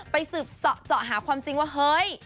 ไปสืบเจาะหาความจริงว่าเฮ้ย